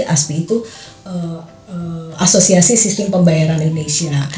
aspi itu asosiasi sistem pembayaran indonesia